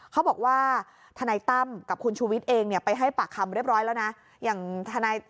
เขาบอกว่าทนัยตั้มกับคุณชูวิทย์เองไปให้ปากคำเรียบร้อยแล้วนะ